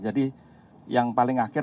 jadi yang paling akhir